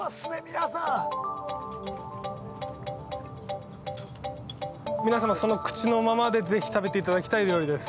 皆さん皆さまその口のままでぜひ食べていただきたい料理です